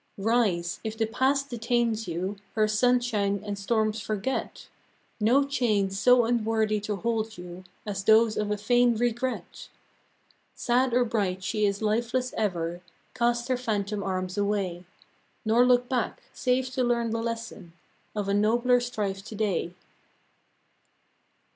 Rise ! if the Past detains you, Her sunshine and storms forget; No chains so unworthy to hold you As those of a vain regret; Sad or bright she is lifeless ever; Cast her phantom arms away, Nor look back, save to learn the lesson Of a nobler strife To day.